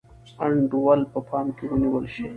انډول په پام کې ونیول شي.